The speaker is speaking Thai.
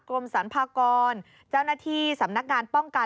กรมสรรพากรเจ้าหน้าที่สำนักงานป้องกัน